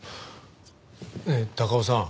ねえ高尾さん。